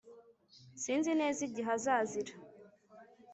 S Sinzi neza igihe azazira